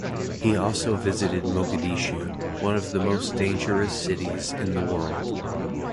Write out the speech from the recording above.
He also visited Mogadishu, one of the most dangerous cities in the world.